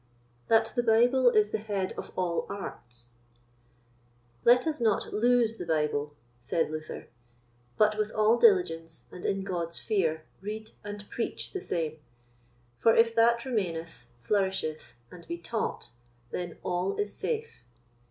That the Bible is the Head of all Arts. Let us not lose the Bible, said Luther, but with all diligence and in God's fear read and preach the same; for if that remaineth, flourisheth, and be taught, then all is safe.